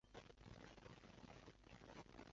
现在称为警察大厦公寓。